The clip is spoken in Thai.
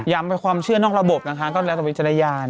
ไปความเชื่อนอกระบบนะคะก็แล้วแต่วิจารณญาณ